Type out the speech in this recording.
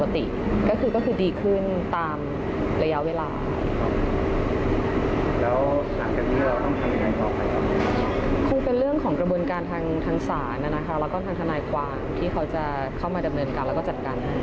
ที่เค้าจะเข้ามาดำเนินการแล้วก็จัดการ